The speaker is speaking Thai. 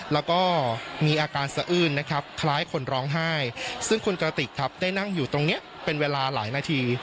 แล้วก็มีอาการสะอื้นนะครับคล้ายคนร้องไห้ซึ่งคุณกระติกครับได้นั่งอยู่ตรงนี้เป็นเวลาหลายนาที